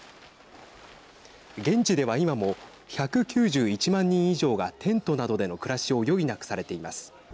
現地では今も１９１万人以上がテントなどでの暮らしを余儀なくされています。